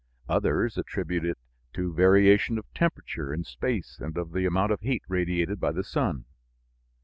Others attribute it to variation of temperature in space and of the amount of heat radiated by the sun.